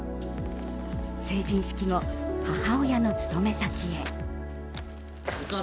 成人式後、母親の勤め先へ。